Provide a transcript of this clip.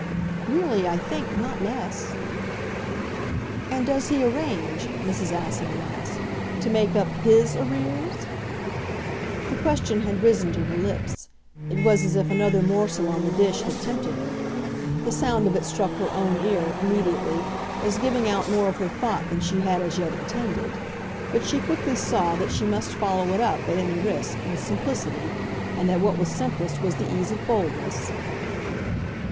"Really, I think, not less." "And does he arrange," Mrs. Assingham asked, "to make up HIS arrears?" The question had risen to her lips it was as if another morsel, on the dish, had tempted her. The sound of it struck her own ear, immediately, as giving out more of her thought than she had as yet intended; but she quickly saw that she must follow it up, at any risk, with simplicity, and that what was simplest was the ease of boldness.